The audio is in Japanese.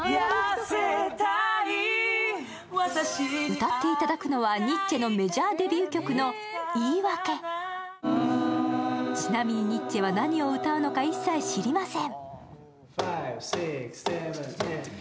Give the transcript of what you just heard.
歌っていただくのはニッチェのデビュー曲の「ｉｉｗａｋｅ」、ちなみにニッチェは何を歌うのか一切知りません。